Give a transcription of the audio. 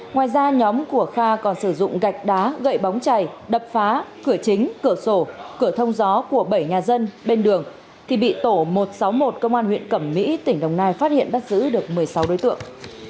ngoài ra nhóm của kha còn sử dụng gạch đá gậy bóng chảy đập phá cửa chính cửa sổ cửa thông gió của bảy nhà dân bên đường thì bị tổ một trăm sáu mươi một công an huyện cẩm mỹ tỉnh đồng nai phát hiện bắt giữ được một mươi sáu đối tượng